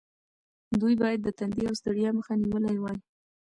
دوی باید د تندې او ستړیا مخه نیولې وای.